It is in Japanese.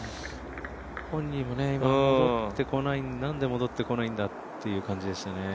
本人はなんでもどってこないんだという感じですね。